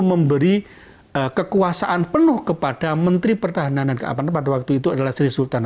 memberi kekuasaan penuh kepada menteri pertahanan dan keamanan pada waktu itu adalah sri sultan